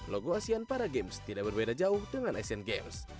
logo asean para games tidak berbeda jauh dengan asian games